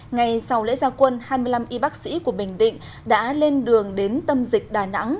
ngay sau lễ gia quân hai mươi năm y bác sĩ của bình định đã lên đường đến tâm dịch đà nẵng